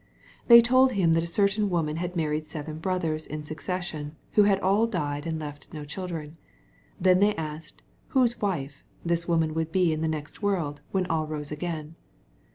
They told him that a certain woman had married seven brothers in succession, who had all died and left no children. They then asked " whose wife" this woman would be in the next world, when all rose again.